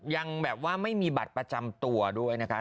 ยังไม่มีบัตรประจำตัวด้วยนะคะ